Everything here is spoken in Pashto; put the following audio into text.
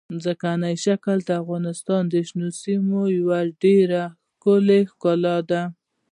ځمکنی شکل د افغانستان د شنو سیمو یوه ډېره ښکلې ښکلا ده.